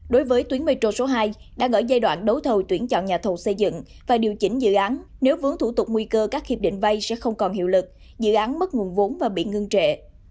đối với tuyến metro số hai đang ở giai đoạn đấu thầu tuyển chọn nhà thầu xây dựng và điều chỉnh dự án nếu vướng thủ tục nguy cơ các hiệp định vay sẽ không còn hiệu lực dự án mất nguồn vốn và bị ngưng trệ